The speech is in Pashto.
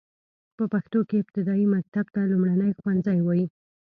په پښتو کې ابتدايي مکتب ته لومړنی ښوونځی وايي.